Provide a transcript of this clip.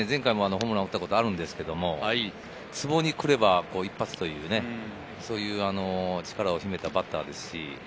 前回もホームランを打ったことがあるんですけど、ツボに来れば一発というね、力を秘めたバッターです。